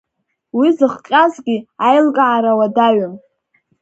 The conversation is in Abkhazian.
Уи зыхҟьазгьы аилкаара уадаҩым.